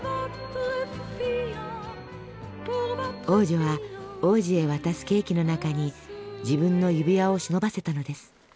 王女は王子へ渡すケーキの中に自分の指輪を忍ばせたのです。